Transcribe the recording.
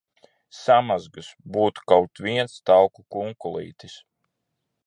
Samazgas! Būtu kaut viens tauku kunkulītis!